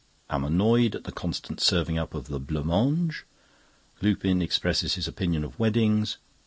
Am annoyed at the constant serving up of the "Blanc Mange." Lupin expresses his opinion of Weddings.